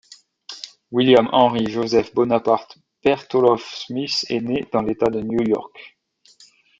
William Henry Joseph Bonaparte Bertholoff Smith est né dans l'État de New York.